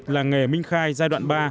làng nghề minh khai giai đoạn ba